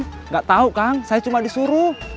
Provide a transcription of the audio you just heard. tidak tahu kang saya cuma disuruh